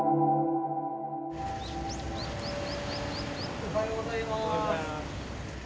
おはようございます。